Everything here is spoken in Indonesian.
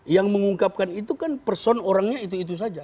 yang mengungkapkan itu kan person orangnya itu itu saja